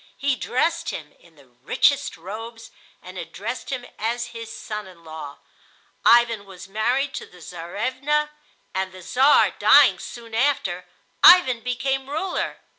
He dressed him in the richest robes and addressed him as his son in law. Ivan was married to the Czarevna, and, the Czar dying soon after, Ivan became ruler.